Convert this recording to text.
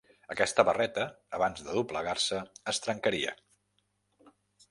Aquesta barreta, abans de doblegar-se es trencaria.